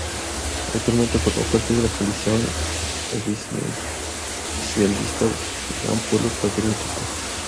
Actualmente forma parte de la coalición oficialista Gran Polo Patriótico.